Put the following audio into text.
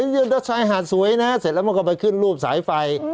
เดินรถชายหาดสวยนะเสร็จแล้วมันก็ไปขึ้นรูปสายไฟ